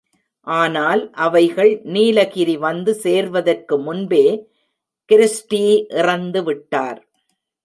ஆனால் அவைகள் நீலகிரி வந்து சேர்வதற்கு முன்பே கிருஸ்டீ இறந்து விட்டார்.